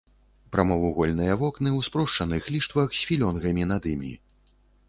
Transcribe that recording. Прамавугольныя вокны ў спрошчаных ліштвах з філёнгамі над імі.